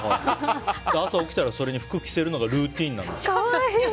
朝起きたらそれに服着せるのがルーティンなんです。